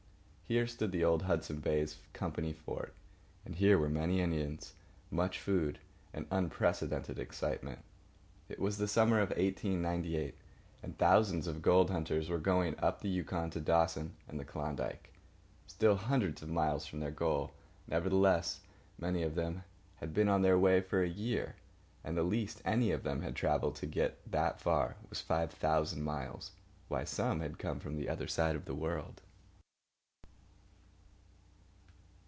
Here stood the old Hudson's Bay Company fort; and here were many Indians, much food, and unprecedented excitement. It was the summer of 1898, and thousands of gold hunters were going up the Yukon to Dawson and the Klondike. Still hundreds of miles from their goal, nevertheless many of them had been on the way for a year, and the least any of them had travelled to get that far was five thousand miles, while some had come from the other side of the world.